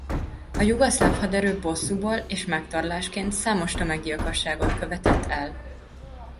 A jugoszláv haderő bosszúból és megtorlásként számos tömeggyilkosságot követett el.